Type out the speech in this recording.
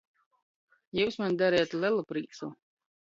Jius maņ darejot lelu prīcu.